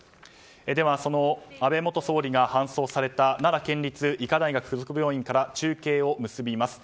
その安倍元総理が搬送された奈良県立医科大学附属病院から中継を結びます。